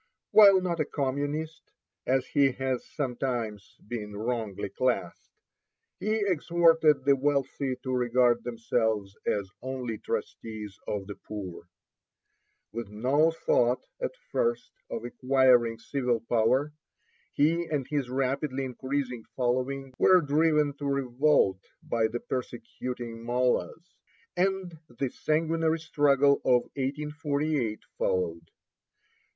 While not a communist, as he has sometimes been wrongly classed, he exhorted the wealthy to regard themselves as only trustees of the poor. With no thought at first of acquiring civil power, he and his rapidly increasing following were driven to revolt by the persecuting mollas, and the sanguinary struggle of 1848 followed.